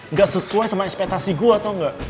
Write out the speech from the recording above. nggak sesuai sama ekspetasi gue tau nggak